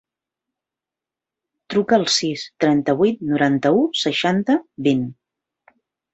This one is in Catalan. Truca al sis, trenta-vuit, noranta-u, seixanta, vint.